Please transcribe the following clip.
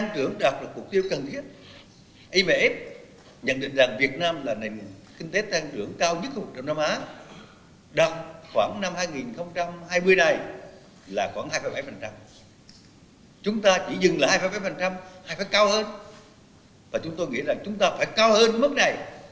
chúng ta chỉ dừng lại hai bảy hay phải cao hơn và chúng tôi nghĩ là chúng ta phải cao hơn mức này bởi vì nhiều cấp nhiều gần đã khởi động với nhiều biện pháp rất tuyệt lệ